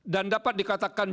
dan dapat dikatakan